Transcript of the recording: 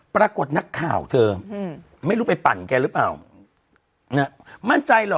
ปรากฏนักข่าวเธออืมไม่รู้ไปปั่นแกหรือเปล่านะมั่นใจเหรอ